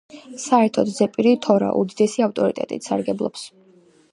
საერთოდ, ზეპირი თორა უდიდესი ავტორიტეტით სარგებლობს.